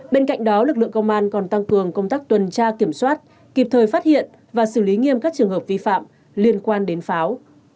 bên cạnh đó lực lượng công an còn tăng cường công tác tuần tra kiểm soát kịp thời phát hiện và xử lý nghiêm các trường hợp vi phạm liên quan đến pháo